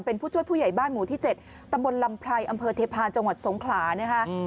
เป็นผู้ช่วยผู้ใหญ่บ้านหมู่ที่๗ตำบลลำไพรอำเภอเทพานจังหวัดสงขลานะคะ